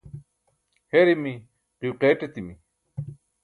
herimi, qiyo qeeṭ etimi